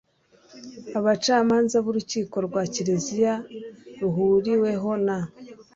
abacamanza b urukiko rwa kiliziya ruhuriweho na